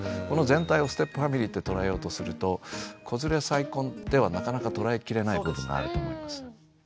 この全体をステップファミリーって捉えようとすると子連れ再婚ではなかなか捉えきれない部分があると思います。